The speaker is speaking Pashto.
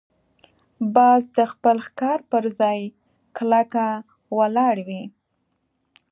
باز د خپل ښکار پر ځای کلکه ولاړ وي